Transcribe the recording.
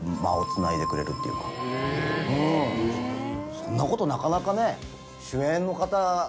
そんなことなかなかね。